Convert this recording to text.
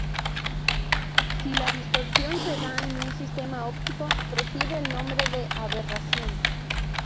Si la distorsión se da en un sistema óptico recibe el nombre de "aberración".